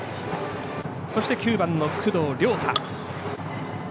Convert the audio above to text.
そして、９番の工藤遼大。